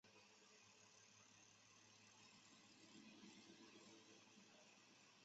美丽假花瓣蟹为扇蟹科假花瓣蟹属的动物。